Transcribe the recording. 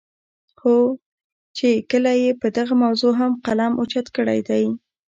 خو چې کله ئې پۀ دغه موضوع هم قلم اوچت کړے دے